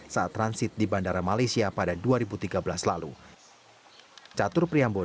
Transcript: saat transit di bandara malaysia pada dua ribu tiga belas lalu